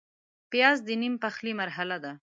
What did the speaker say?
پیاز د نیم پخلي مرحله ده